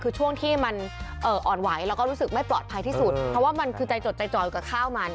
คือช่วงที่มันอ่อนไหวแล้วก็รู้สึกไม่ปลอดภัยที่สุดเพราะว่ามันคือใจจดใจจ่อยกับข้าวมัน